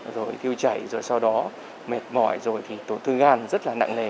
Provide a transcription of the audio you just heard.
rồi thiêu chảy rồi sau đó mệt mỏi rồi thì tổn thương gan rất là nặng nề